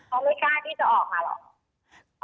เขาไม่กล้าที่จะออกมาหรอก